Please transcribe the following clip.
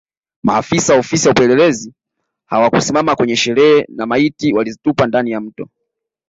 Maafisa wa Ofisi ya Upelelezi hawakusimama kwenye sherehe na maiti walizitupa ndani ya Mto